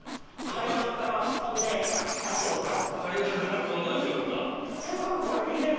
「階段から飛んで足折った」。